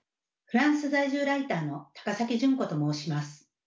フランス在住ライターの崎順子と申します。